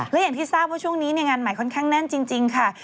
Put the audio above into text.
และอย่างที่ทราบว่าช่วงนี้งานใหม่ค่อนข้างแน่นจริงค่ะ